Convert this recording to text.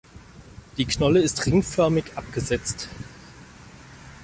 Die Knolle ist ringförmig abgesetzt.